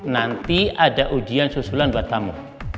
nanti ada ujian susulan buat tamu